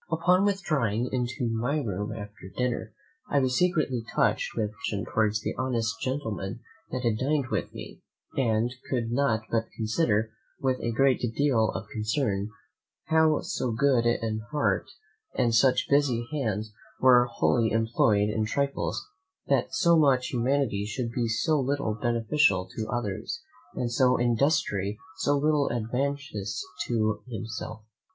Upon withdrawing into my room after dinner, I was secretly touched with compassion towards the honest gentleman that had dined with us; and could not but consider, with a great deal of concern, how so good an heart and such busy hands were wholly employed in trifles; that so much humanity should be so little beneficial to others, and so much industry so little advantageous to himself.